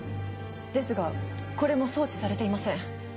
ですがこれも送致されていません。